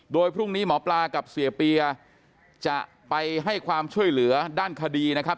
โดยพรุ่งนี้หมอปลากับเสียเปียจะไปให้ความช่วยเหลือด้านคดีนะครับ